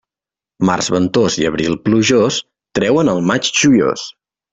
Març ventós i abril plujós, treuen el maig joiós.